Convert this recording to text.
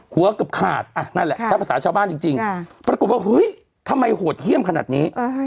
เกือบขาดนั่นแหละถ้าภาษาชาวบ้านจริงปรากฏว่าเฮ้ยทำไมโหดเยี่ยมขนาดนี้